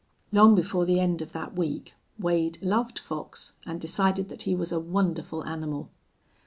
] Long before the end of that week Wade loved Fox and decided that he was a wonderful animal.